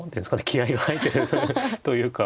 気合いが入ってるというか。